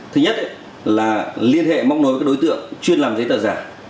thứ nhất là liên hệ mong nối với đối tượng chuyên làm giấy tờ giả